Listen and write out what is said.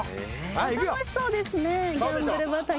楽しそうですねギャンブル畑。